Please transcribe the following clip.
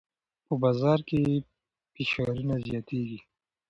په بازار کې فشارونه زیاتېږي.